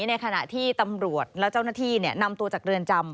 ในขณะที่ตำรวจและเจ้าหน้าที่นำตัวจากเรือนจำ